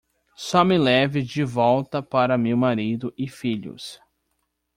Só me leve de volta para meu marido e filhos.